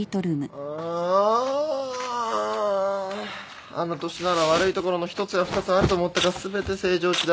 あの年なら悪いところの１つや２つあると思ったが全て正常値だ。